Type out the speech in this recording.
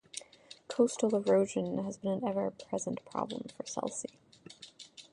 Coastal erosion has been an ever-present problem for Selsey.